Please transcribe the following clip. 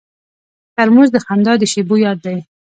ترموز د خندا د شیبو یاد دی.